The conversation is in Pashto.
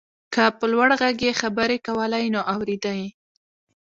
که په لوړ غږ يې خبرې کولای نو اورېده يې.